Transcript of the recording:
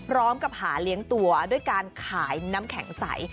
พร้อมกับหาเลี้ยงตัวด้วยการขายน้ำแข็งใส